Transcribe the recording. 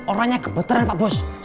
orangnya gembetan pak bos